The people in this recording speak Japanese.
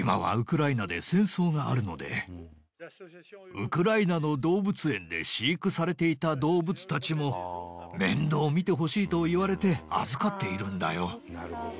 ウクライナの動物園で飼育されていた動物たちも面倒を見てほしいと言われて預かっているんだよ。